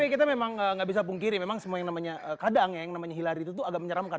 kita memang nggak bisa pungkiri memang semua yang namanya kadang ya yang namanya hillary itu agak menyeramkan